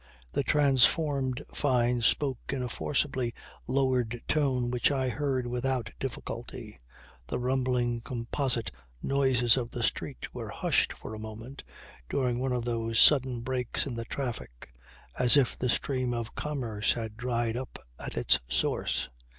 The transformed Fyne spoke in a forcibly lowered tone which I heard without difficulty. The rumbling, composite noises of the street were hushed for a moment, during one of these sudden breaks in the traffic as if the stream of commerce had dried up at its source.